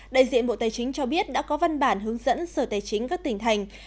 đại diện bộ tài chính cho biết đã có văn bản hướng dẫn sở tài chính các tỉnh thành